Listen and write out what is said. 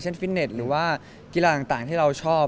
ฟิตเน็ตหรือว่ากีฬาต่างที่เราชอบ